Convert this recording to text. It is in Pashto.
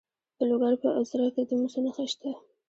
د لوګر په ازره کې د مسو نښې شته.